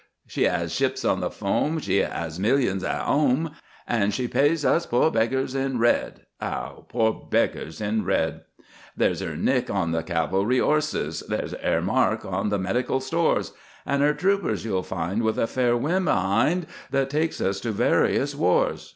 She 'as ships on the foam she 'as millions at 'ome, An' she pays us poor beggars in red. ('Ow poor beggars in red!) There's 'er nick on the cavalry 'orses, There's 'er mark on the medical stores An' 'er troopers you'll find with a fair wind be'ind That takes us to various wars.